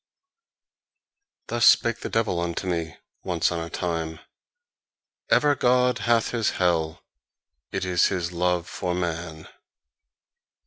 Thus spake the devil unto me, once on a time: "Even God hath his hell: it is his love for man."